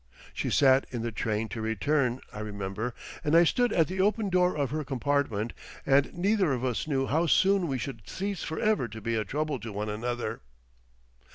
She sat in the train to return, I remember, and I stood at the open door of her compartment, and neither of us knew how soon we should cease for ever to be a trouble to one another.